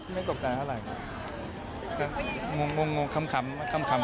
ไม่ตกใจเท่าไรงงงงงงคำคำคำคำคำคำคำ